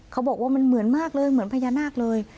เขาบอกว่ามันเหมือนมากเลยเหมือนพญานาคเลย